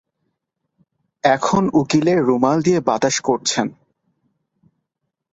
এখন উকিলের রুমাল দিয়ে বাতাস করছেন।